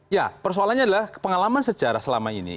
ya persoalannya adalah pengalaman sejarah selama ini